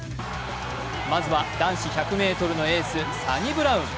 まずは男子１００ｍのエース・サニブラウン。